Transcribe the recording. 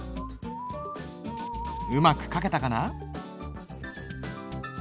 うまく書けたかな？